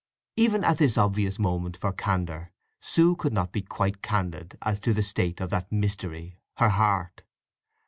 Even at this obvious moment for candour Sue could not be quite candid as to the state of that mystery, her heart.